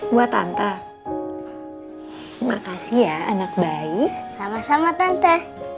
buat tante makasih ya anak baik sama sama tante